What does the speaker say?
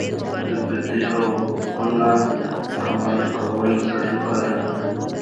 د بدۍ او ګناه څخه منع کول صدقه ده